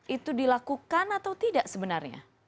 itu dilakukan atau tidak sebenarnya